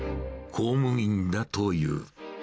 公務員だという。